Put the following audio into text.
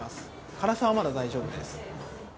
辛さはまだ大丈夫です。